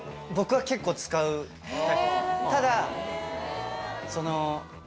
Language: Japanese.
ただ。